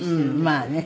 まあね。